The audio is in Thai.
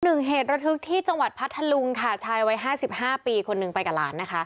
เหตุระทึกที่จังหวัดพัทธลุงค่ะชายวัยห้าสิบห้าปีคนหนึ่งไปกับหลานนะคะ